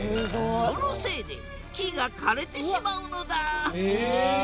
そのせいで木が枯れてしまうのだええ！